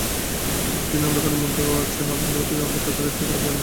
তিনি অন্ধকারের মধ্যেও আছেন বটে, কিন্তু ঐ অন্ধকার তাঁকে স্পর্শ করতে পারে না।